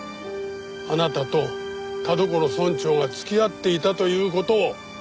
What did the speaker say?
あなたと田所村長が付き合っていたという事を。